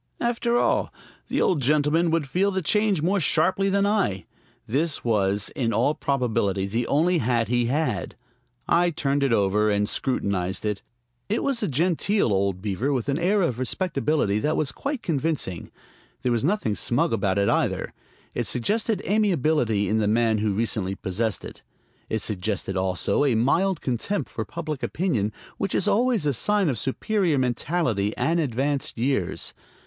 After all, the old gentleman would feel the change more sharply than I. This was, in all probability, the only hat he had. I turned it over and scrutinized it. It was a genteel old beaver, with an air of respectability that was quite convincing. There was nothing smug about it, either. It suggested amiability in the man who had recently possessed it. It suggested also a mild contempt for public opinion, which is always a sign of superior mentality and advanced years.